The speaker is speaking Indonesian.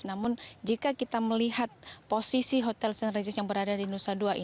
namun jika kita melihat posisi hotel st regis yang berada di nusa dua ini